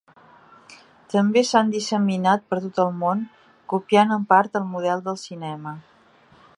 També s'han disseminat per tot el món copiant en part el model del cinema.